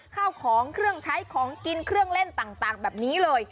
ข้าวของเครื่องใช้ของกินเครื่องเล่นต่างแบบนี้เลย